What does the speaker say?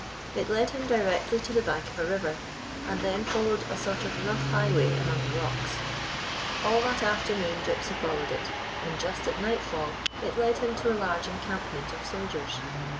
It led him directly to the bank of a river, and then followed a sort of rough highway among the rocks. All that afternoon Gypsy followed it, and just at nightfall it led him to a large encampment of soldiers.